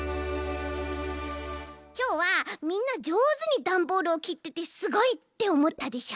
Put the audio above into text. きょうはみんなじょうずにダンボールをきっててすごいっておもったでしょ？